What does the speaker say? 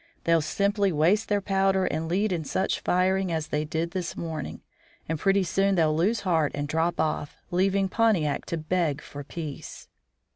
They'll simply waste their powder and lead in such firing as they did this morning, and pretty soon they'll lose heart and drop off, leaving Pontiac to beg for peace."